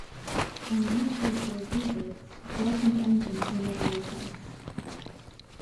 Unusually for the V-boats, "Dolphin"'s engines were never replaced.